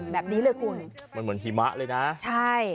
มันเหมือนหิมะเลยนะ